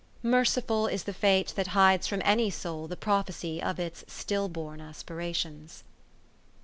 Merciful is the fate that hides from any soul the prophecy of its still born aspirations.